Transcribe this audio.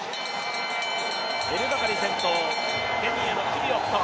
エルバカリ先頭、ケニアのキビウォット。